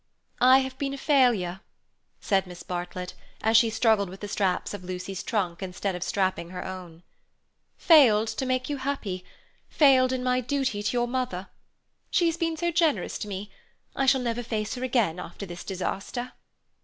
"I have been a failure," said Miss Bartlett, as she struggled with the straps of Lucy's trunk instead of strapping her own. "Failed to make you happy; failed in my duty to your mother. She has been so generous to me; I shall never face her again after this disaster."